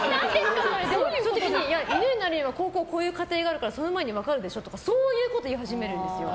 犬になるにはこういう過程があるからその前に分かるでしょとかそういうこと言い始めるんですよ。